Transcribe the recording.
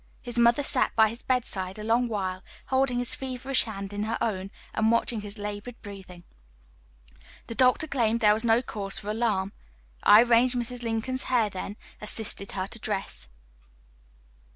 His mother sat by his bedside a long while, holding his feverish hand in her own, and watching his labored breathing. The doctor claimed there was no cause for alarm. I arranged Mrs. Lincoln's hair, then assisted her to dress.